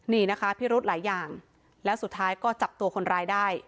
นี่นะคะพิรุธหลายอย่างแล้วสุดท้ายก็จับตัวคนร้ายได้